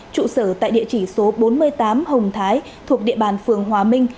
trụ sở tại địa chỉ số bốn mươi tám hồng thái thuộc địa bàn phường hòa minh